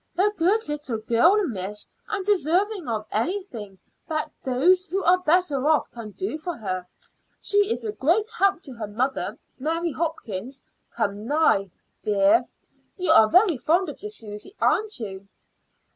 "A good little girl, miss, and deserving of anything that those who are better off can do for her. She is a great help to her mother. Mary Hopkins, come nigh, dear. You are very fond of your Susy, aren't you?"